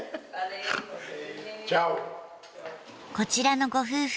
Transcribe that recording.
こちらのご夫婦